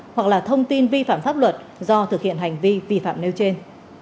hoặc là thông tin vi phạm pháp luật do thực hiện hành vi vi phạm nêu trên